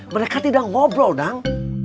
mereka tidak ngobrol dang